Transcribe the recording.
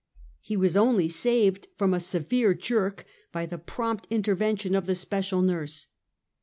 He was only saved from a severe jerk by the prompt intervention of the special nurse.